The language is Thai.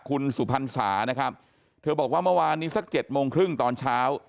คุณสุพรรษานะครับเธอบอกว่าเมื่อวานนี้สัก๗โมงครึ่งตอนเช้า